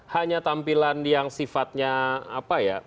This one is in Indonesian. hanya tampilan yang sifatnya apa ya